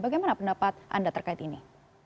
bagaimana pendapat anda terkait ini